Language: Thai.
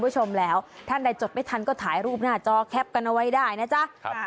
คุณผู้ชมแล้วท่านใดจดไม่ทันก็ถ่ายรูปหน้าจอแคปกันเอาไว้ได้นะจ๊ะครับ